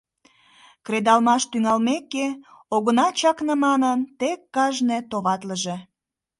Кредалмаш тӱҥалмеке, огына чакне манын, тек кажне товатлыже!..